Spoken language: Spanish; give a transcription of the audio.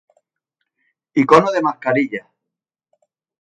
ícono de mascarilla